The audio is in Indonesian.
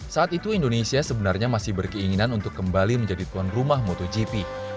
saat itu indonesia sebenarnya masih berkeinginan untuk kembali menjadi tuan rumah motogp